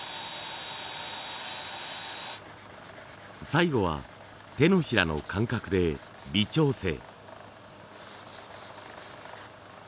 最後は手のひらの感覚で微調整。